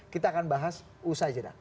kita akan bahas usai jeda